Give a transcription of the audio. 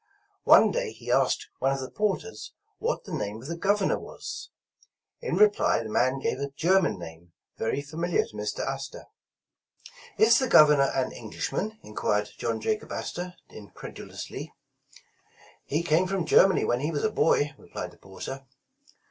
One day he asked one of the porters what the name of the Governor was. In reply the man gave a German name very familiar to Mr. Astor. "Is the Governor an Englishman?" enquired John Jacob Astor, incredulously. "He came from Germany when he was a boy," re plied the porter.